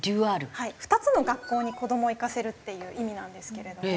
２つの学校に子どもを行かせるっていう意味なんですけれども。